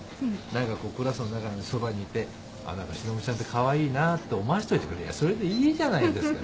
何かこうクラスの中でそばにいてシノブちゃんってカワイイなって思わせといてくれりゃそれでいいじゃないですか。